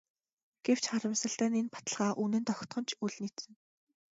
Гэвч харамсалтай нь энэ баталгаа үнэнд огтхон ч үл нийцнэ.